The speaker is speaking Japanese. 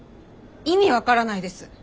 意味分からないです。